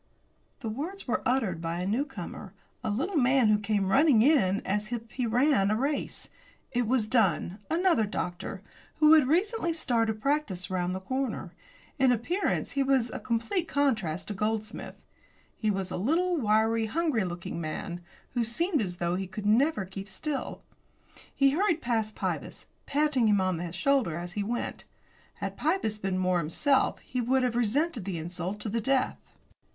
The words were uttered by a newcomer a little man who came running in as if he ran a race. It was Dunn, another doctor, who had recently started practice round the corner. In appearance he was a complete contrast to Goldsmith. He was a little, wiry, hungry looking man, who seemed as though he never could keep still. He hurried past Pybus, patting him on the shoulder as he went. Had Pybus been more himself he would have resented the insult to the death.